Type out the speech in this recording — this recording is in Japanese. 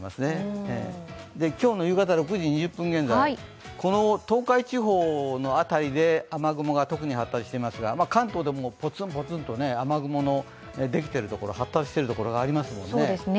今日の夕方６時２０分現在、東海地方の辺りで雨雲が特に発達していますが関東でもポツンポツンと雨雲のできているところ、発達しているところがありますよね。